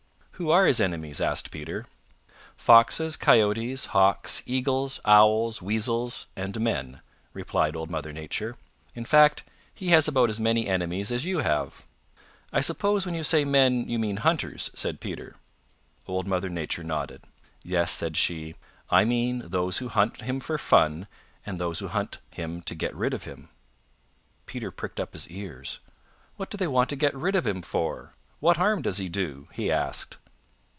"Who are his enemies?" asked Peter. "Foxes, Coyotes, Hawks, Eagles, Owls, Weasels, and men," replied Old Mother Nature. "In fact, he has about as many enemies as you have." "I suppose when you say men, you mean hunters," said Peter. Old Mother Nature nodded. "Yes," said she, "I mean those who hunt him for fun and those who hunt him to get rid of him." Peter pricked up his ears. "What do they want to get rid of him for. What harm does he do?" he asked.